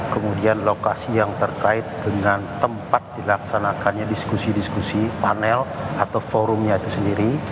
kemudian lokasi yang terkait dengan tempat dilaksanakannya diskusi diskusi panel atau forumnya itu sendiri